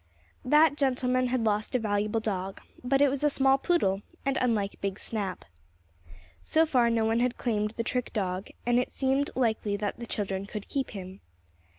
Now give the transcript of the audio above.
That gentleman had lost a valuable dog, but it was a small poodle, and unlike big Snap. So far no one had claimed the trick dog, and it seemed likely that the children could keep him.